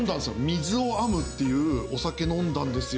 「水を編む」っていうお酒飲んだんですよ。